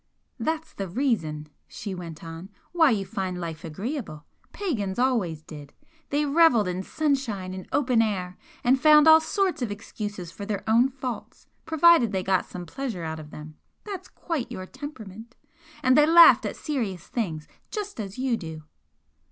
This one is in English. "That's the reason," she went on "why you find life agreeable. Pagans always did. They revelled in sunshine and open air, and found all sorts of excuses for their own faults, provided they got some pleasure out of them. That's quite your temperament! And they laughed at serious things just as you do!"